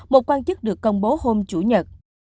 một quan chức được công bố hôm chủ nhật